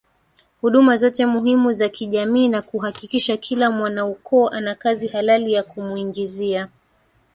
huduma zote muhimu za kijamii na kuhakikisha kila mwanaukoo ana kazi halali ya kumuingizia